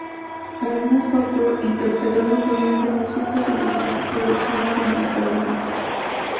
Además fue actor, interpretando usualmente a músicos en diferentes producciones cinematográficas.